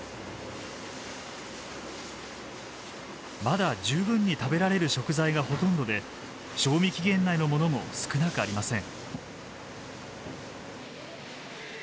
まだ十分に食べられる食材がほとんどで賞味期限内のものも少なくありません。